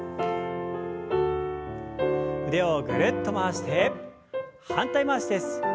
腕をぐるっと回して反対回しです。